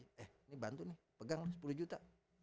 eh ini bantu nih pegang sepuluh juta